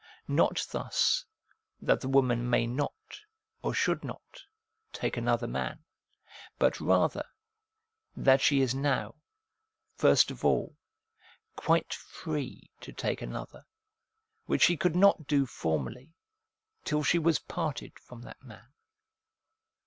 Not thus, that the woman may not or should not take another man, but rather, that she is now, first of all, quite free to take another, which she could not do formerly, till she was parted from that man.